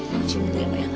mau ambil beli beli ma